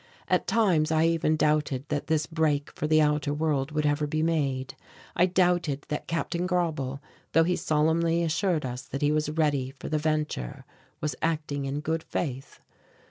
At times I even doubted that this break for the outer world would ever be made. I doubted that Capt. Grauble, though he solemnly assured us that he was ready for the venture, was acting in good faith.